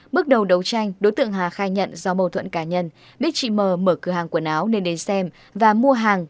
bước đầu đấu tranh đối tượng hà khai nhận do mâu thuẫn cá nhân biết chị m mở cửa hàng quần áo nên đến xem và mua hàng